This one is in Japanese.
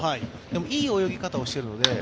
でも、いい泳ぎ方をしているので。